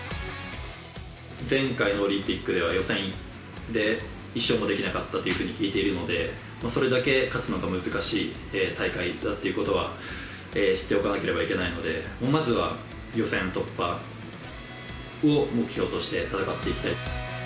前回のオリンピックでは予選で一勝もできなかったというふうに聞いているので、それだけ勝つのが難しい大会だっていうことは知っておかなければいけないので、まずは予選突破を目標として戦っていきたい。